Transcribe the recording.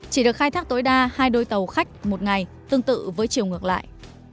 chỉ được khai thác tối đa hai đôi tàu khách một ngày tương tự với chiều ngược lại